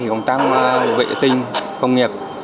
công tác vệ sinh công nghiệp